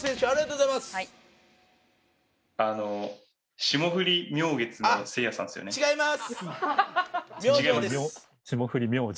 ありがとうございます。